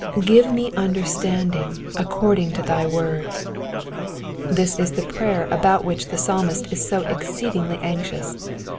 ^^Give me understanding according to thy word.^^ This is the prayer about which the Psalmist is so exceedingly anxious.